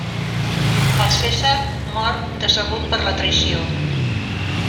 El Cèsar mor decebut per la traïció.